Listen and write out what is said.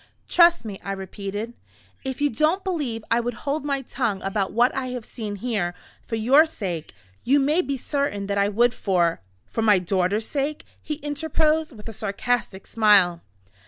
"Trust me," I repeated. "If you don't believe I would hold my tongue about what I have seen here, for your sake, you may be certain that I would for " "For my daughter's," he interposed, with a sarcastic smile.